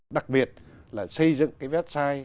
đặc biệt là xây dựng cái website